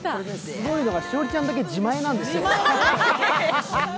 すごいのが、栞里ちゃんだけ自前なんですよ。